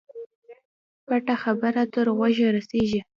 پټه خبره تر غوږه رسېږي.